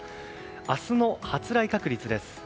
明日の発雷確率です。